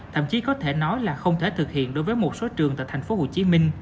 thậm chí có thể nói là không thể thực hiện đối với một số trường tại tp hcm